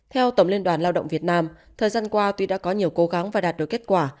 theo tổng liên đoàn lao động việt nam thời gian qua tuy đã có nhiều cố gắng và đạt được kết quả